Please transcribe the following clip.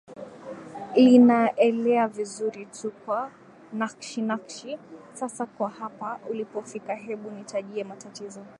linaelea vizuri tu Kwa nakshi nakshi Sasa kwa hapa ulipofika hebu nitajie matatizo